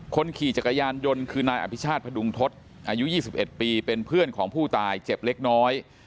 คนขี่จักรยานยนต์คือนายอภิชาติพดุงทศอายุ๒๑ปีเป็นเพื่อนของผู้ตายเจ็บเล็กน้อย